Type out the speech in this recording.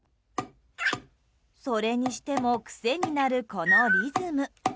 それにしても癖になるこのリズム。